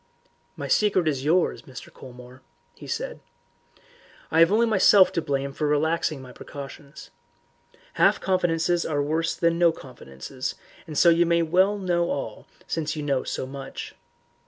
"My secret is yours, Mr. Colmore," said he. "I have only myself to blame for relaxing my precautions. Half confidences are worse than no confidences, and so you may know all since you know so much.